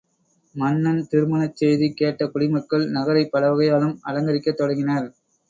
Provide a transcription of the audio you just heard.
மன்னன் திருமணச் செய்தி கேட்ட குடிமக்கள் நகரைப் பலவகையாலும் அலங்கரிக்கத் தொடங்கினர்.